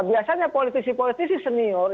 biasanya politisi politisi senior